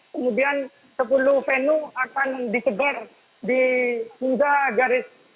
kemudian sepuluh venu akan disebar di punca garis